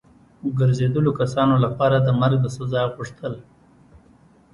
ګرځېدلو کسانو لپاره د مرګ د سزا غوښتل.